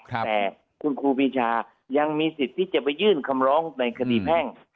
แต่คุณครูปีชายังมีสิทธิ์ที่จะไปยื่นคำร้องในคดีแพ่ง